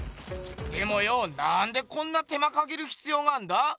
でもよなんでこんな手間かけるひつようがあんだ？